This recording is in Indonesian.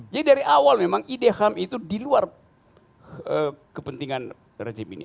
jadi dari awal memang ide ham itu diluar kepentingan rejim ini